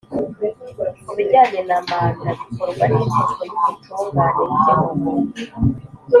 ku bijyanye na manda bikorwa n Inteko y Ubutungane y Igihugu